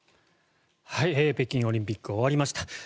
北京オリンピック終わりました。